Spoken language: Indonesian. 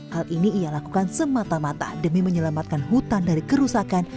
hal ini ia lakukan semata mata demi menyelamatkan hutan dari kerusakan